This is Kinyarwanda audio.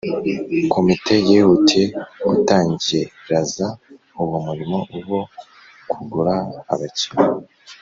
komite yihutiye gutangiraza uwo murimo wo kugura abakinnyi,